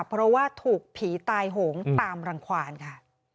เพราะว่าถูกผีตายโหงตามรังความค่ะ